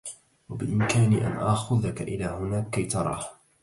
بإمكاني أن آخذك إلى هناك كي تراه.